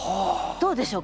どうでしょう？